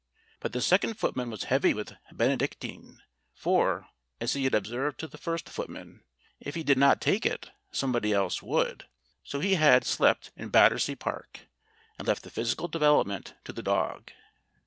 But the second footman was heavy with Benedictine; for, as he had observed to the first footman, if he did not take it, somebody else would, so he had slept in Battersea Park and left the physical development to the dog.